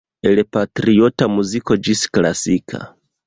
El patriota muziko ĝis klasika.